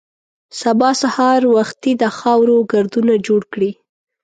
سبا سهار وختي د خاورو ګردونه جوړ کړي.